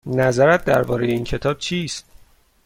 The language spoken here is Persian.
نظرت درباره این کتاب چیست؟